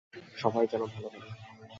সবাই যেন ভালো খেলে।